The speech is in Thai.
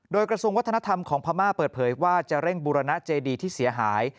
โดยกระทรวงวัฒนธรรมของพม่าเปิดเผยว่าจะเร่งบูรณะเจดีที่เสียหาย